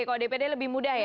kalau dpd lebih mudah ya